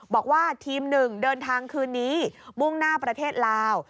บอกว่าทีมหนึ่งเดินทางคืนนี้มุ่งหน้าประเทศลาว